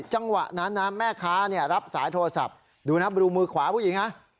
จังหวะนั้นนะแม่ค้ารับสายโทรศัพท์ดูนะดูมือขวาผู้หญิงนะ